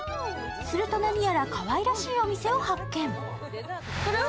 すると何やらかわいらしいお店を発見。